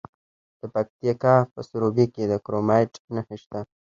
د پکتیکا په سروبي کې د کرومایټ نښې شته.